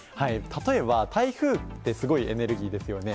例えば、台風ってすごいエネルギーですよね。